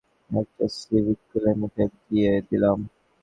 হ্যাঁ ঠিক ধরেছেন, ঘুষ, আমি ওকে একটা সিভিট খুলে মুখে দিয়ে দিলাম।